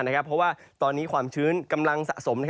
เพราะว่าตอนนี้ความชื้นกำลังสะสม